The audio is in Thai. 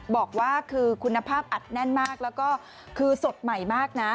บอกว่าคือคุณภาพอัดแน่นมากแล้วก็คือสดใหม่มากนะ